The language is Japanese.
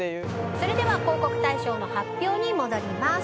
それでは広告大賞の発表に戻ります。